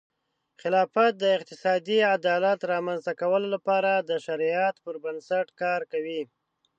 خلافت د اقتصادي عدالت رامنځته کولو لپاره د شریعت پر بنسټ کار کوي.